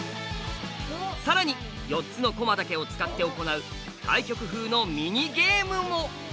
さらに４つの駒だけを使って行う対局風のミニゲームも。